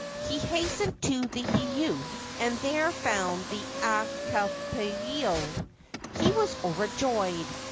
He hastened to the heiau, and there found the Akuapaao. He was overjoyed.